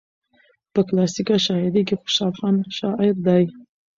په کلاسيکه شاعرۍ کې خوشال هغه شاعر دى